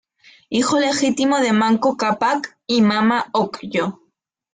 Hijo legítimo de Manco Cápac y Mama Ocllo.